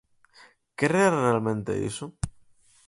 ¿Cre realmente iso?